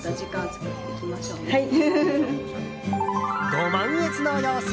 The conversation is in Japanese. ご満悦の様子！